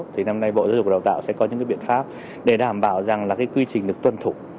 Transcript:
thì năm nay bộ giáo dục đào tạo sẽ có những biện pháp để đảm bảo rằng là quy trình được tuân thủ